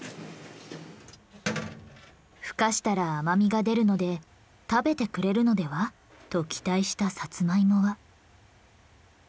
ふかしたら甘みが出るので食べてくれるのではと期待したサツマイモは。